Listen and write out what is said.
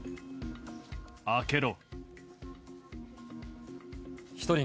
開けろ。